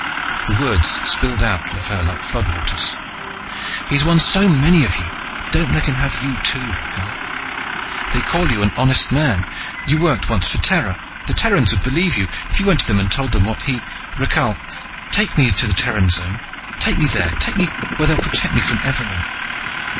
The words spilled out of her like floodwaters. "He's won so many of you, don't let him have you too, Rakhal. They call you an honest man, you worked once for Terra, the Terrans would believe you if you went to them and told them what he Rakhal, take me to the Terran Zone, take me there, take me there where they'll protect me from Evarin."